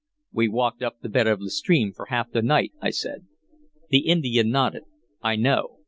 "We walked up the bed of the stream for half the night," I said. The Indian nodded. "I know.